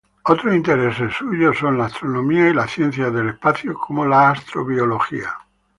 Otros intereses suyos son la astronomía y las ciencias del espacio como la Astrobiología.